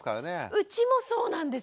うちもそうなんですよ。